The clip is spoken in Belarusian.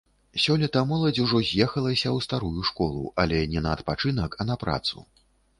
Сёлета моладзь ужо з'ехалася ў старую школу, але не на адпачынак, а на працу.